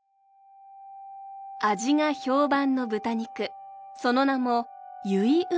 味が評判の豚肉その名も結旨豚。